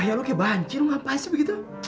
gaya lo kayak banci lo ngapain sih begitu